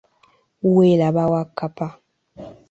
Welaba Wakkapa.